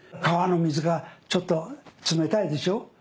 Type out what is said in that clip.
川の水がちょっと冷たいでしょ。